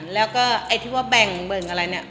แล้วก็ไอ้ที่ถึงว่าแบ่งเบิ่งอะไรนะ